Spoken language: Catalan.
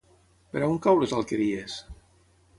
Per on cau les Alqueries?